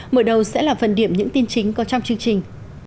mở đầu sẽ là phần điểm những tin chính có trong chương trình